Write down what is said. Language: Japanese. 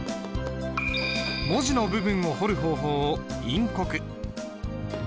文字の部分を彫る方法を陰刻。